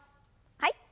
はい。